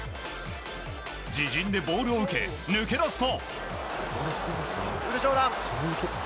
自陣でボールを受け抜け出すと。